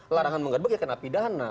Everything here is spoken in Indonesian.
larangan menggebek ya kena pidana